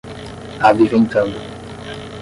aviventando